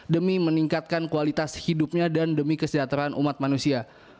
demi meningkatkan kualitas hidupnya dan demi kesejahteraan umat manusia